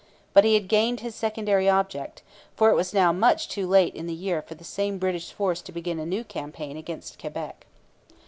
But he had gained his secondary object; for it was now much too late in the year for the same British force to begin a new campaign against Quebec.